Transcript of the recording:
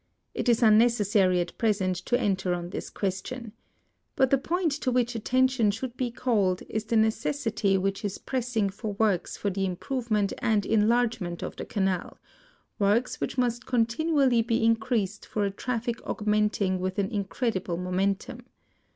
It is unnecessary at present to enter on this question. But the point to which attention should be called is the necessity which is pressing for works for the improvement and enlargement of the Canal — works which must continually be increased for a traffic augmenting with an incredible momentum.